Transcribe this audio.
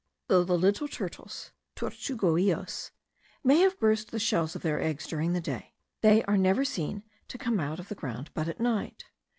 Though the little turtles (tortuguillos) may have burst the shells of their eggs during the day, they are never seen to come out of the ground but at night.